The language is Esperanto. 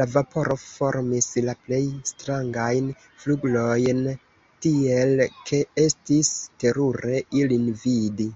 La vaporo formis la plej strangajn flgurojn, tiel ke estis terure ilin vidi.